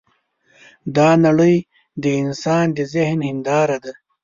دا نړۍ د انسان د ذهن هینداره ده.